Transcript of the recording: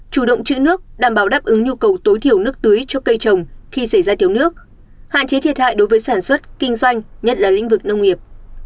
chủ động chữ nước đảm bảo đáp ứng nhu cầu tối thiểu nước tưới cho cây trồng khi xảy ra thiếu nước hạn chế thiệt hại đối với sản xuất kinh doanh nhất là lĩnh vực nông nghiệp